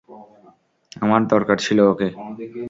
আমার দরকার ছিল ওকে।